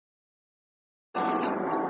چي کرۍ ورځ یې په سرو اوښکو تیریږي ,